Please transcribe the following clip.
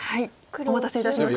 お待たせいたしました。